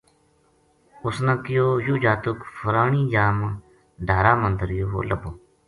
اُس نا کہیو یوہ جاتک فلانی جا ما ڈھارا ما دھریو وو لَبھو